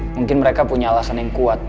mungkin mereka punya alasan yang kuat